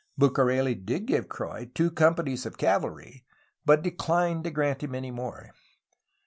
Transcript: Bucareli did give Croix two companies of cavalry, but declined to grant him any more.